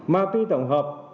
ma túy tổng hợp